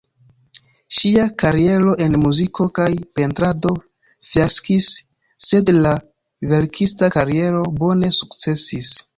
Ŝia kariero en muziko kaj pentrado fiaskis, sed la verkista kariero bone sukcesis.